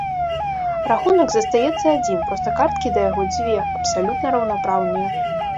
Рахунак застаецца адзін, проста карткі да яго дзве, абсалютна раўнапраўныя.